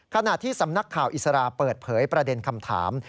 ขณะที่สำนักข่าวอิสระเปิดเผยประเด็นคำถาม